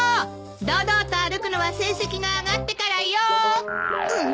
堂々と歩くのは成績が上がってからよ！